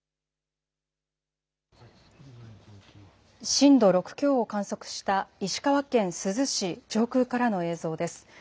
震度６強を観測した石川県珠洲市上空からの映像です。